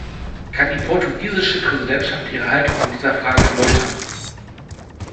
Kann die portugiesische Präsidentschaft ihre Haltung in dieser Frage erläutern?